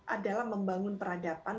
adalah membangun peradaban